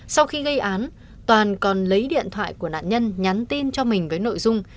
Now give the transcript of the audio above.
sau khi gây án toàn còn lấy điện thoại của nạn nhân nhắn tin cho mình với nội dung